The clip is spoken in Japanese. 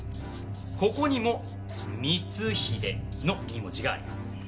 ここにも「光秀」の２文字があります。え？